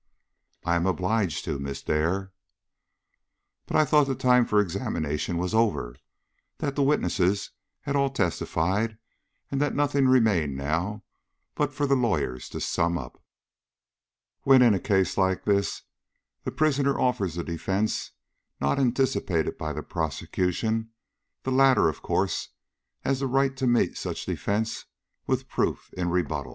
"I am obliged to, Miss Dare." "But I thought the time for examination was over; that the witnesses had all testified, and that nothing remained now but for the lawyers to sum up." "When in a case like this the prisoner offers a defence not anticipated by the prosecution, the latter, of course, has the right to meet such defence with proof in rebuttal."